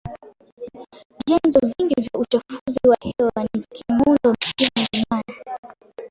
Vyanzo vingi vya uchafuzi wa hewa ni vya kimuundo msingi na